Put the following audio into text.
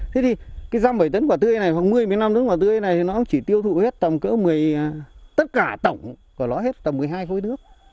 thế thì cái răm bảy tấn quả tươi này khoảng một mươi một mươi năm nước quả tươi này nó chỉ tiêu thụ hết tầm cỡ một mươi tất cả tổng của nó hết tầm một mươi hai khối nước